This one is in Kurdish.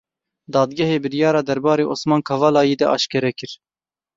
Dadgehê biryara derbarê Osman Kavalayî de eşkere kir.